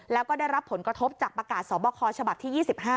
แล้วก็ได้รับผลกระทบจากประกาศสอบคอฉบับที่๒๕